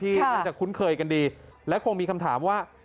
น่าจะคุ้นเคยกันดีและคงมีคำถามว่า